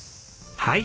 はい。